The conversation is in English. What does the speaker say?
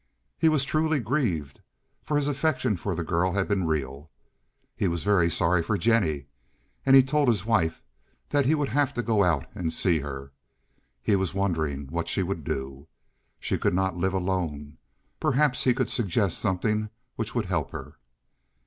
He was truly grieved, for his affection for the girl had been real. He was very sorry for Jennie, and he told his wife that he would have to go out and see her. He was wondering what she would do. She could not live alone. Perhaps he could suggest something which would help her.